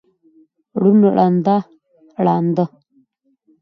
ړوند، ړنده، ړانده